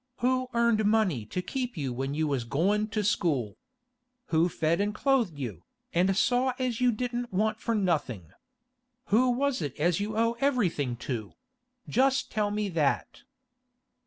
Who earned money to keep you when you was goin' to school? Who fed and clothed you, and saw as you didn't want for nothing? Who is it as you owe everything to?—just tell me that.